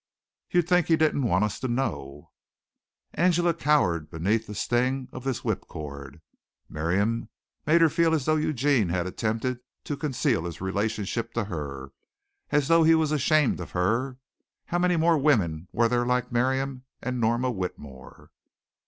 "You'd think he didn't want us to know." Angela cowered beneath the sting of this whip cord. Miriam made her feel as though Eugene had attempted to conceal his relationship to her as though he was ashamed of her. How many more women were there like Miriam and Norma Whitmore?